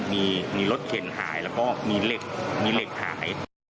มีรถเข็นหายแล้วก็มีเหล็กหาย